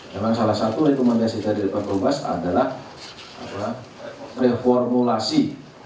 memang salah satu rekomendasi dari pak dubas adalah reformulasi